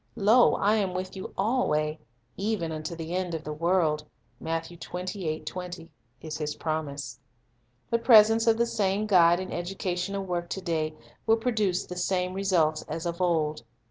"Lo, I am with you alway, even unto the end of the world," 1 is His promise. The presence of the same Guide in educational work to day will produce the same results as of old.